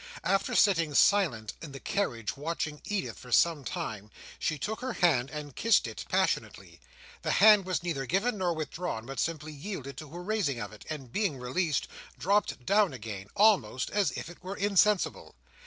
After sitting silent in the carriage watching Edith for some time, she took her hand and kissed it passionately. The hand was neither given nor withdrawn, but simply yielded to her raising of it, and being released, dropped down again, almost as if it were insensible.